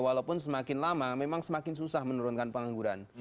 walaupun semakin lama memang semakin susah menurunkan pengangguran